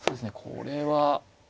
これは。